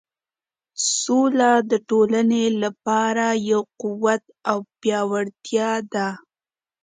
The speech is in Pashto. سوله د ټولنې لپاره یو قوت او پیاوړتیا ده.